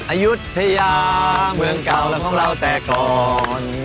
อายุทยาเมืองเก่าและของเราแต่ก่อน